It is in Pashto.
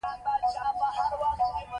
موټر ارزانه هم وي، قیمتي هم.